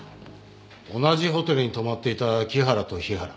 同じホテルに泊まっていた木原と日原。